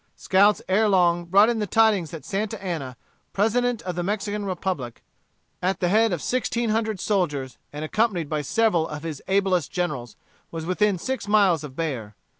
Scouts ere long brought in the tidings that Santa Anna, President of the Mexican Republic, at the head of sixteen hundred soldiers, and accompanied by several of his ablest generals, was within six miles of Bexar.